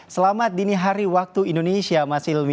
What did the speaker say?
selamat dini hari waktu indonesia mas hilmi